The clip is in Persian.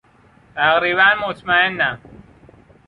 تقریبا مطمئنم.